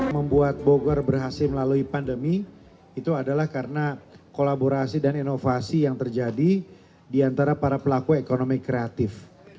membuat bogor berhasil melalui pandemi itu adalah karena kolaborasi dan inovasi yang terjadi di antara para pelaku ekonomi kreatif